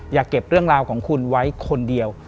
อย่าเก็บเรื่องราวของคุณไว้คนเดียว